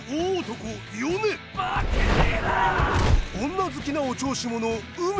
女好きのお調子者ウメ。